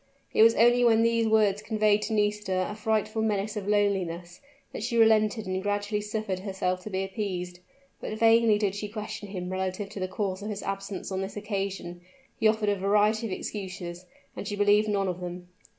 It was only when these words conveyed to Nisida a frightful menace of loneliness, that she relented and gradually suffered herself to be appeased. But vainly did she question him relative to the cause of his absence on this occasion; he offered a variety of excuses, and she believed none of them.